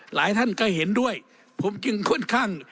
หลายท่านก็เห็นด้วยผมจึงค่อนข้าง